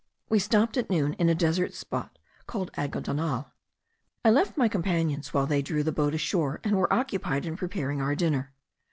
We stopped at noon in a desert spot called Algodonal. I left my companions while they drew the boat ashore and were occupied in preparing our dinner.